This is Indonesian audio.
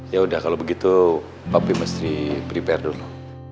yaudah kalau begitu papi mesti prepare dulu